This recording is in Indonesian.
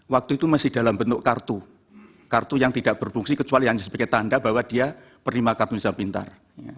waktu itu masih dalam bentuk kartu kartu yang tidak berfungsi kecuali hanya sebagai tanda bahwa dia berima kartu indonesia pintar